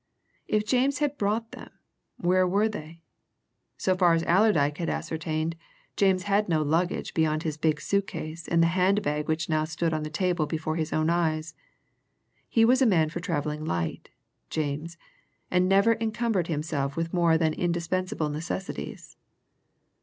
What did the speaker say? If James had brought them, where were they? So far as Allerdyke had ascertained, James had no luggage beyond his big suitcase and the handbag which now stood on the table before his own eyes he was a man for travelling light, James, and never encumbered himself with more than indispensable necessities.